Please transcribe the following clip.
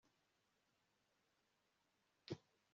ntwali yagiye mu iduka ry'imiti kugura umutobe w'inkorora